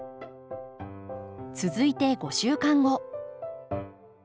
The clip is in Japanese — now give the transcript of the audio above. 続いて５週間後。